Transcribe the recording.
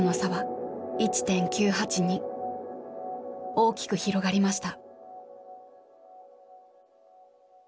大きく広がりました。